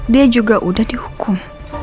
dia juga udah dihukum